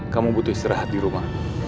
kamu butuh istirahat di rumah